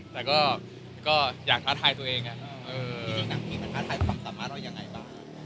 แต่ก็อยากท้าทายตรูเองล่ะ